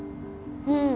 うん。